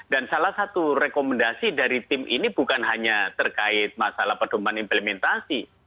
dan salah satu rekomendasi dari tim ini bukan hanya terkait masalah pedoman implementasi